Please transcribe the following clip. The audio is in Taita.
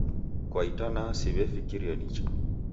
Kwa itanaa siw'efikiria nicha